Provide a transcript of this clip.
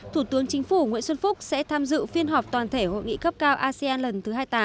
thủ tướng chính phủ nguyễn xuân phúc sẽ tham dự phiên họp toàn thể hội nghị cấp cao asean lần thứ hai mươi tám